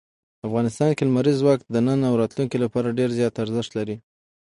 افغانستان کې لمریز ځواک د نن او راتلونکي لپاره ډېر زیات ارزښت لري.